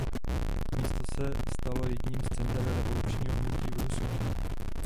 Město se stalo jedním z center revolučního hnutí v Rusku.